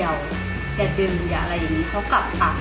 อย่าดึงอย่าอะไรอย่างนี้